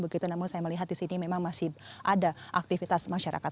begitu namun saya melihat di sini memang masih ada aktivitas masyarakat